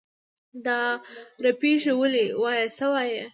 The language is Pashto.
دا رپېږې ولې؟ وایه څه وایې؟